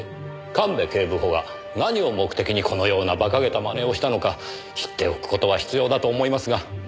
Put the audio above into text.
神戸警部補が何を目的にこのようなバカげた真似をしたのか知っておく事は必要だと思いますが。